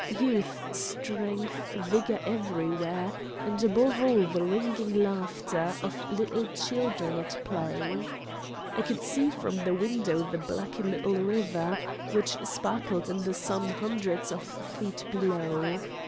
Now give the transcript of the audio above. Youth, strength, vigor everywhere, and above all the ringing laughter of little children at play. I could see from the window the " Black Little River," which sparkled in the sun hundreds of feet below.